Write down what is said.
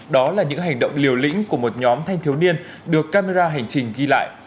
đó là những hành động liều lĩnh của một nhóm thanh thiếu niên được camera hành trình ghi lại